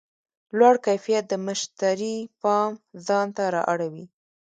لوړ کیفیت د مشتری پام ځان ته رااړوي.